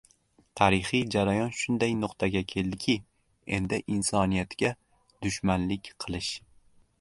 Tarixiy jarayon shunday nuqtaga keldiki, endi insoniyatga dushmanlik qilish